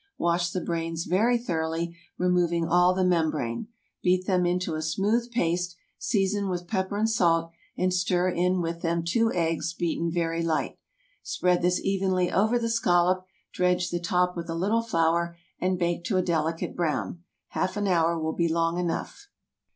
Wash the brains very thoroughly, removing all the membrane. Beat them into a smooth paste, season with pepper and salt, and stir in with them two eggs beaten very light. Spread this evenly over the scallop, dredge the top with a little flour, and bake to a delicate brown. Half an hour will be long enough.